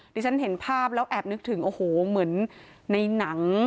ที่ฉันเห็นภาพแล้วแอบนึกถึงโอ้โหเหมือนในหนัง